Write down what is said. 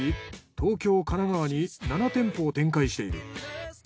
東京神奈川に７店舗を展開している。